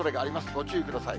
ご注意ください。